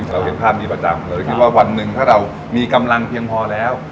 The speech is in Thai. เราเห็นภาพนี้ประจำเลยคิดว่าวันหนึ่งถ้าเรามีกำลังเพียงพอแล้ว